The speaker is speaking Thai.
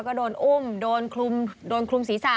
ก็โดนอุ้มโดนคลุมศีรษะ